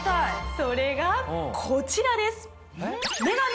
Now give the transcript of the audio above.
それがこちらです！